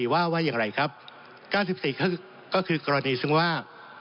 ว่าว่าอย่างไรครับ๙๔ก็คือกรณีซึ่งว่า